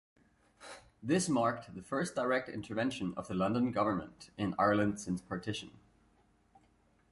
This marked the first direct intervention of the London government in Ireland since partition.